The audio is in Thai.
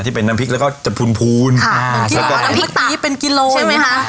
ที่เป็นน้ำพริกแล้วก็จะพูนพูนค่ะที่เราน้ำพริกตานี่เป็นกิโลใช่ไหมคะ